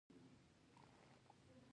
اوبیزه انرژي یې پر بخار انرژۍ واړوله.